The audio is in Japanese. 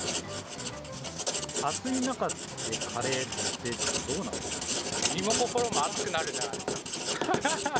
暑い中でカレーってどうなん身も心も熱くなるじゃないですか。